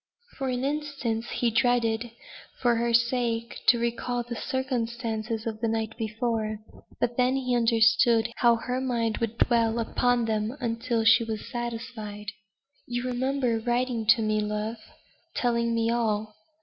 For an instant he dreaded, for her sake, to recall the circumstances of the night before; but then he understood how her mind would dwell upon them until she was satisfied. "You remember writing to me, love, telling me all.